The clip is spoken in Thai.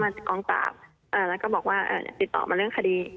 มากองตาเอ่อแล้วก็บอกว่าเอ่อติดต่อมาเรื่องคดี